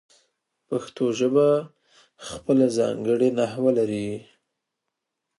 پښتو ژبه خپله ځانګړې نحو لري.